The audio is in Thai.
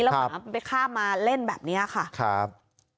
แล้วมันอาจจะไปข้ามมาเล่นแบบเนี้ยค่ะครับ